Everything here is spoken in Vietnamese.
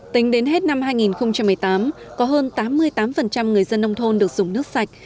tính đến hết năm hai nghìn một mươi tám có hơn tám mươi tám người dân nông thôn được dùng nước sạch